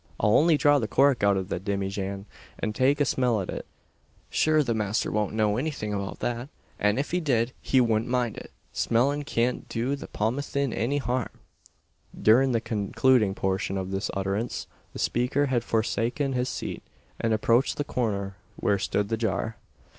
I'll only draw the cork out av the dimmyjan, an take a smell at it. Shure the masther won't know anything about that; an if he did, he wudn't mind it! Smellin' kyant do the pothyeen any harm." During the concluding portion of this utterance, the speaker had forsaken his seat, and approached the corner where stood the jar.